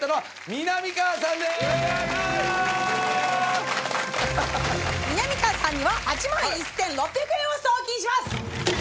みなみかわさんには８万１，６００円を送金します！